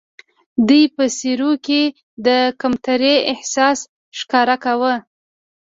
دوی په څېرو کې د کمترۍ احساس ښکاره کاوه.